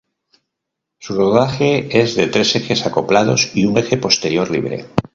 Su rodaje es de tres ejes acoplados y un eje posterior libre.